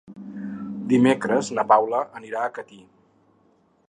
Dimecres na Paula anirà a Catí.